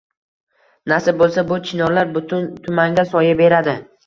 Nasib bo‘lsa, bu chinorlar butun tumanga soya beradi!